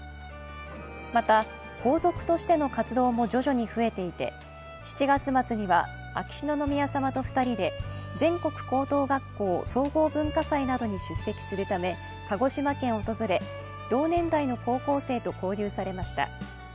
また皇族としての活動も徐々に増えていて７月末には、秋篠宮さまと２人で全国高等学校総合文化祭などに出席するため鹿児島県を訪れ同年代の高校生と交流されました。